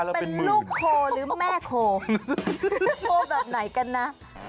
โคลแบบเป็นลูกโคลหรือแม่โคลโคลแบบไหนกันนะซูชิธรรมดาไม่กินตั้งจานแล้วเป็นหมื่น